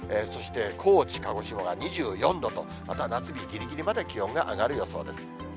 そして高知、鹿児島が２４度と、また夏日ぎりぎりまで気温が上がる予想です。